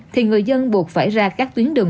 thì người dân buộc phải ra các tuyến đường